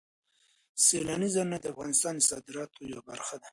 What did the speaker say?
سیلاني ځایونه د افغانستان د صادراتو یوه برخه ده.